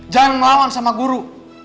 jangan melawan sama guru